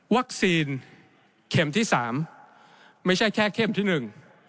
เข็มที่สามไม่ใช่แค่เข้มที่หนึ่ง